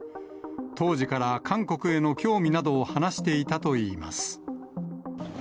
当時から韓国への興味などを話していたといいます。